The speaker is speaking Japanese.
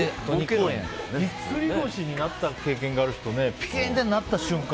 ぎっくり腰になった経験がある人ぴきってなった瞬間